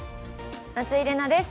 松井玲奈です。